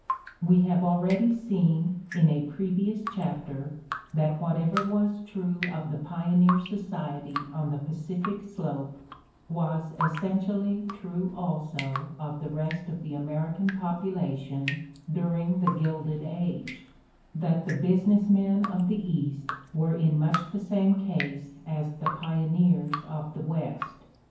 We have already seen, in a previous chapter, that whatever was true of the pioneer society on the Pacific Slope was essentially true also of the rest of the American population during the Gilded Age, that the business men of the East were in much the same case as the pioneers of the West.